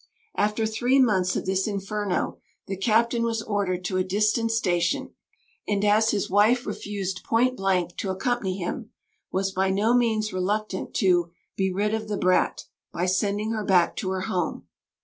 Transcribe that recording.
After three months of this inferno the Captain was ordered to a distant station; and, as his wife refused point blank to accompany him, was by no means reluctant to "be rid of the brat" by sending her back to her home.